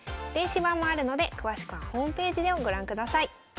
電子版もあるので詳しくはホームページでご覧ください。